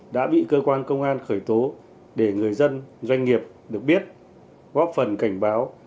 đã bị cơ quan công an khởi tố để người dân doanh nghiệp được biết góp phần cảnh báo